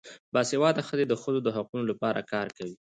باسواده ښځې د ښځو د حقونو لپاره کار کوي.